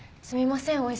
すみません